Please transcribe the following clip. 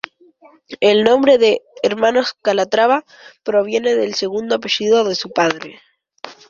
El nombre de "Hermanos Calatrava" proviene del segundo apellido de su padre.